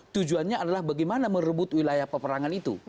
tujuannya adalah bagaimana merebut wilayah peperangan itu